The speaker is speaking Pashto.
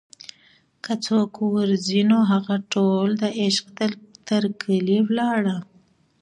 که څوک ور ځي نوهغه ټول دعشق تر کلي ولاړه